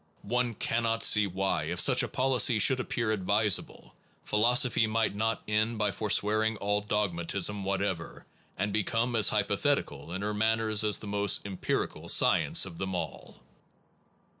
One cannot see why, if such a policy should appear advisable, philosophy might not end by forswearing all dogmatism what ever, and become as hypothetical in her man ners as the most empirical science of them all.